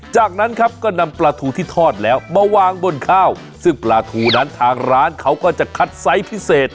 จากนั้นครับก็นำปลาทูที่ทอดแล้วมาวางบนข้าวซึ่งปลาทูนั้นทางร้านเขาก็จะคัดไซส์พิเศษ